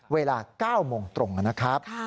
เวลา๙โมงตรงนะครับ